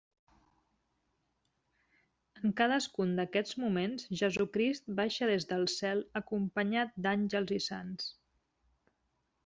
En cadascun d'aquests moments Jesucrist baixa des del cel acompanyat d'àngels i sants.